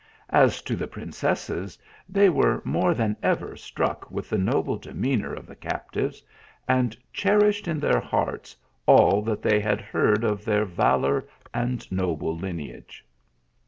As to the princesses, they were more than ever struck with the noble demean our of the captives, and cherished in their hearts all that they had heard of their valour and noble lineage.